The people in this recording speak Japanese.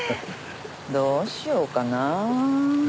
どうしようかな？え？